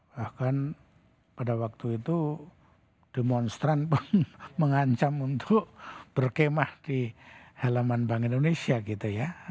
bahkan pada waktu itu demonstran pun mengancam untuk berkemah di halaman bank indonesia gitu ya